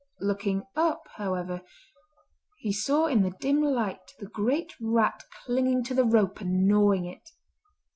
Looking up, however, he saw in the dim light the great rat clinging to the rope and gnawing it.